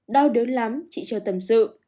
đau đớn lắm chị châu tâm sự